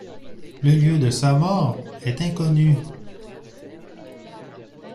Le lieu de sa mort est inconnu.